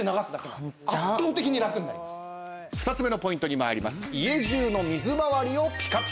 ２つ目のポイントに参ります。